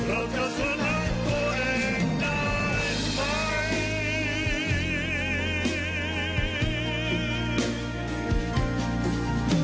เราจะชนะตัวเองได้ไหม